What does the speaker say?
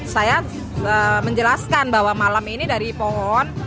saya menjelaskan bahwa malam ini dari pohon